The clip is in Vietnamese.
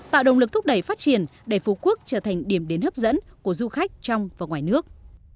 tạo động lực thúc đẩy phát triển để phú quốc trở thành điểm đến hấp dẫn của du khách trong và ngoài nước